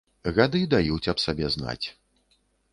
Гады даюць аб сабе знаць.